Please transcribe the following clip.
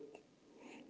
những bữa tiệc âm nhạc